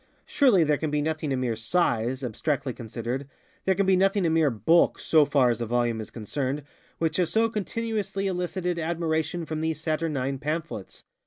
Surely there can be nothing in mere _size, _abstractly consideredŌĆöthere can be nothing in mere _bulk, so _far as a volume is concerned, which has so continuously elicited admiration from these saturnine pamphlets!